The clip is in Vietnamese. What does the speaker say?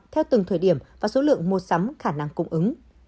theo từng thời điểm và số lượng mua sắm khả năng cung ứng